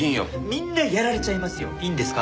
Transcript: みんなやられちゃいますよ。いいんですか？